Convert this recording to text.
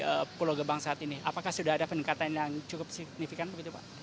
di pulau gebang saat ini apakah sudah ada peningkatan yang cukup signifikan begitu pak